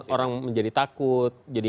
orang menjadi takut jadi